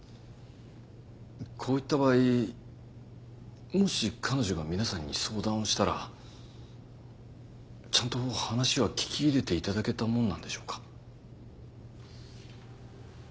こういった場合もし彼女が皆さんに相談をしたらちゃんと話は聞き入れて頂けたものなんでしょうか？